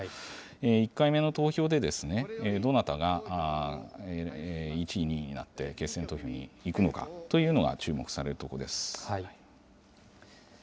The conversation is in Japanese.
１回目の投票で、どなたが１位、２位になって決選投票に行くのかというのが注目されるところです。